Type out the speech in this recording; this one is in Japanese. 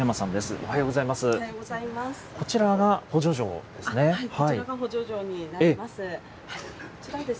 おはようございます。